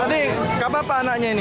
tadi gak apa apa anaknya ini